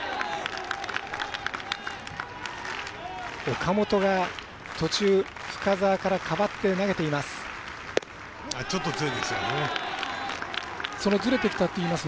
岡本は途中、深沢から代わって投げています。